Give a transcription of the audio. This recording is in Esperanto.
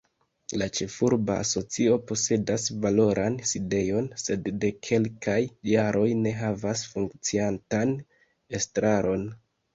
La ĉefurba asocio posedas valoran sidejon, sed de kelkaj jaroj ne havas funkciantan estraron.